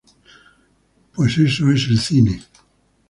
Pues eso es el cine"".